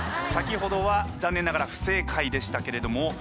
先ほどは残念ながら不正解でしたけれども。